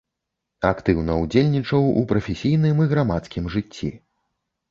Актыўна ўдзельнічаў у прафесійным і грамадскім жыцці.